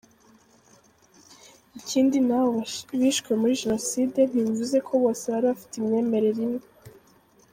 Ikindi n’abo bishwe muri Jenoside ntibivuze ko bose bari bafite imyemerere imwe.